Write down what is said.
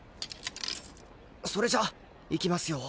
それじゃいきますよ。